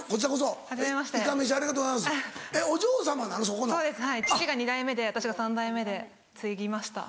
そうです父が２代目で私が３代目で継ぎました。